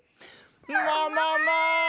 ももも！